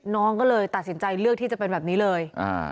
น้องก็เลยตัดสินใจเลือกที่จะเป็นแบบนี้เลย